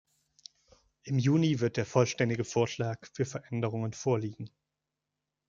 Im Juni wird der vollständige Vorschlag für Veränderungen vorliegen.